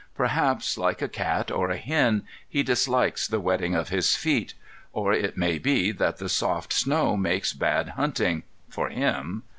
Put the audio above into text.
Perhaps, like a cat or a hen, he dislikes the wetting of his feet. Or it may be that the soft snow makes bad hunting—for him.